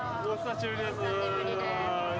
お久しぶりです。